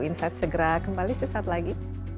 insight segera kembali sesaat lagi